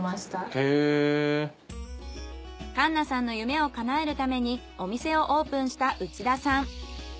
かんなさんの夢をかなえるためにお店をオープンした内田さん。